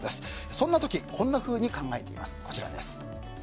そんな時こんなふうに考えています。